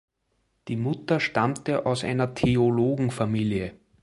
Die Mutter stammte aus einer Theologenfamilie.